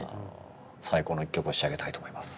最高の一曲を仕上げたいと思います。